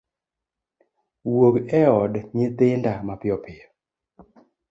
wuog e od nyithinda mapiyo piyo.